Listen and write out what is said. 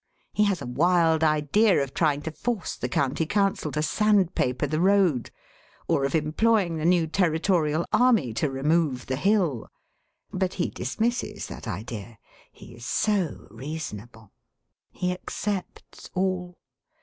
He has a wild idea of trying to force the County Council to sand paper the road, or of employing the new Territorial Army to remove the hill. But he dismisses that idea he is so reasonable. He accepts all.